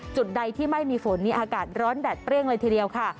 จุดใดที่ไม่มีฝนนี่อากาศร้อนแดดเปรี้ยงเลยทีเดียวค่ะ